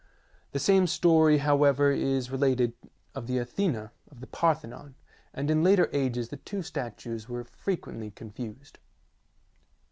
The same story, however, is related of the Athena of the Parthenon, and in later ages the two statues were frequently confused.